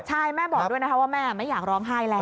ใช่แม่บอกด้วยนะคะว่าแม่ไม่อยากร้องไห้แล้ว